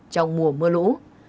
trong mùa mưa lũ